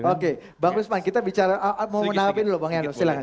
oke bang risma kita bicara mau menanggapin dulu bang eno silahkan